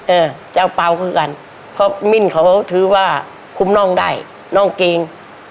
เอ้อเจ้าเปล่ากันพอมิ้นเขาทื้อว่าคุ้มนอกได้นอกเกง